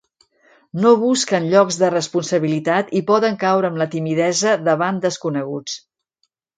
No busquen llocs de responsabilitat i poden caure en la timidesa davant desconeguts.